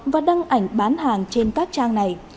và đăng ảnh bán hàng trên các trang này